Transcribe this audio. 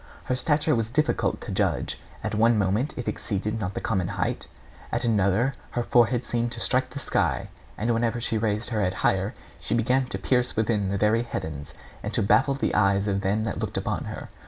Her stature was difficult to judge. At one moment it exceeded not the common height, at another her forehead seemed to strike the sky; and whenever she raised her head higher, she began to pierce within the very heavens, and to baffle the eyes of them that looked upon her.